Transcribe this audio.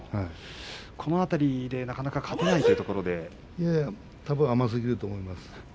この辺りでなかなか勝てないたぶん甘すぎると思います。